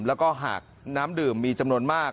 แล้วก็หากน้ำดื่มมีจำนวนมาก